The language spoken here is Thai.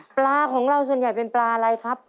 ปลาของเราส่วนใหญ่เป็นปลาอะไรครับ